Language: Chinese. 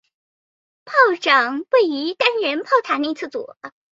炮长位于单人炮塔内部左侧。